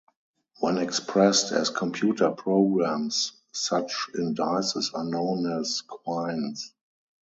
When expressed as computer programs, such indices are known as quines.